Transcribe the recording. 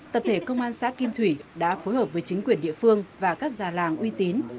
tập thể công an xã kim thủy đã phối hợp với chính quyền địa phương và các già làng uy tín